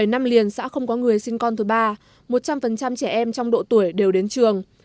bảy năm liền xã không có người sinh con thứ ba một trăm linh trẻ em trong độ tuổi đều đến trường